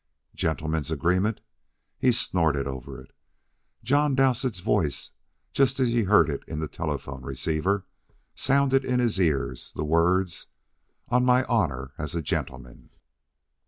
Gentleman's agreement. He snorted over it. John Dowsett's voice, just as he had heard it in the telephone receiver, sounded in his ears the words, "On my honor as a gentleman."